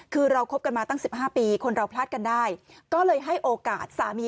คือเราคบกันมาตั้ง๑๕ปีคนเราพลาดกันได้ก็เลยให้โอกาสสามี